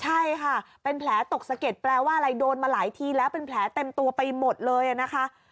ใช่ค่ะเป็นแผลตกสะเก็ดแปลว่าอะไรโดนมาหลายทีแล้วเป็นแผลเต็มตัวไปหมดเลยนะคะ